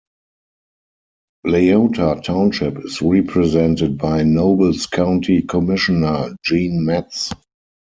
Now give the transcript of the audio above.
Leota Township is represented by Nobles County Commissioner Gene Metz.